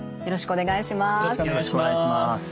よろしくお願いします。